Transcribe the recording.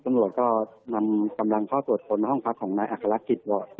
ตำรวจก็นำกำลังเข้าสวดสนห้องพักของนายอักษรกิจ